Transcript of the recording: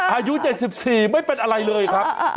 อายุ๗๔ไม่เป็นอะไรเลยครับ